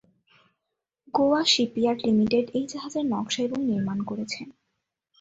Goa shipyard limited এই জাহাজের নকশা এবং নির্মাণ করেছে।